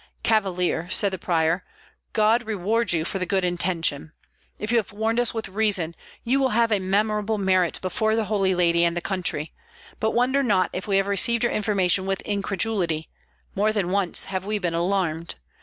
"Cavalier," said the prior, "God reward you for the good intention. If you have warned us with reason, you will have a memorable merit before the Holy Lady and the country; but wonder not if we have received your information with incredulity; more than once have we been alarmed.